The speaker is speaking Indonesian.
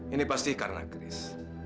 ini pasti karena kris